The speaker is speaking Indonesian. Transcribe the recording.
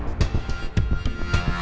aku gak akan pernah